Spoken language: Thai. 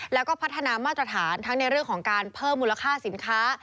แล้วก็พัฒนามาตรฐานทั้งในเรื่องของการเพิ่มมูลค่าสินค้า